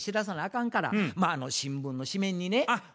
かんから新聞の紙面にね。